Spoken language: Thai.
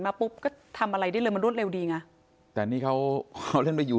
ปุ๊บก็ทำอะไรได้เลยมันรวดเร็วดีไงแต่นี่เขาเอาเล่นไปอยู่